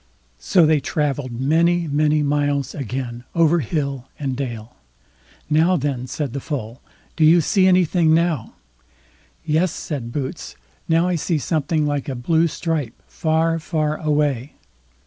So they travelled many many miles again, over hill and dale. "Now then", said the Foal, "do you see anything now?" "Yes", said Boots, "now I see something like a blue stripe, far far away."